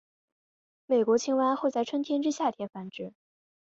美国青蛙会在春天至夏天繁殖。